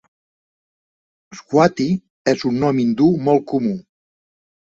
Swati és un nom hindú molt comú.